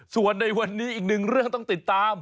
ส่วนในวันนี้อีกหนึ่งเรื่องต้องติดตาม